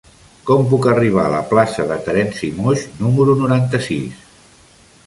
Com puc arribar a la plaça de Terenci Moix número noranta-sis?